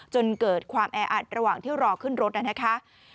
จนเกิดความแออัดระหว่างที่รอขึ้นรถนะคะ